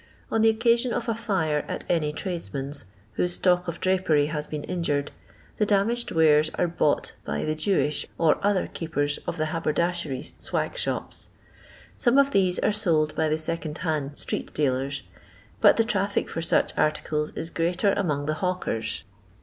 On the occasion of a fire at any tradesman's, whose stock of drapery had been injured, the damaged wares are bought by the Jewish nr other keepers of the haberdashery 8wag «hops. Some of these are sold by the second hand street dealers, but the traffic for such articles is greater among the hawkers.